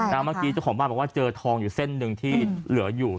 เมื่อกี้เจ้าของบ้านบอกว่าเจอทองอยู่เส้นหนึ่งที่เหลืออยู่